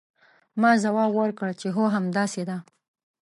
ما ځواب ورکړ چې هو همداسې ده.